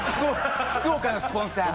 福岡のスポンサー。